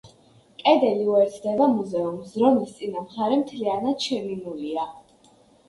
კედელი უერთდება მუზეუმს, რომლის წინა მხარე მთლიანად შემინულია.